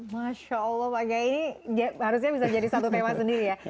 masya allah pak gaya ini harusnya bisa jadi satu tema sendiri ya